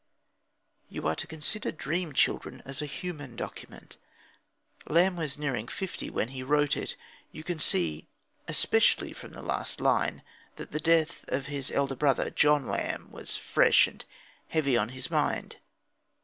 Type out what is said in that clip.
You are to consider Dream Children as a human document. Lamb was nearing fifty when he wrote it. You can see, especially from the last line, that the death of his elder brother, John Lamb, was fresh and heavy on his mind.